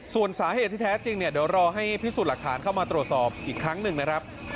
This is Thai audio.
ส่วนสาเหตุที่แท้จริงเนี่ยเดี๋ยวรอให้พิสูจน์หลักฐานเข้ามาตรวจสอบอีกครั้งหนึ่งนะครับ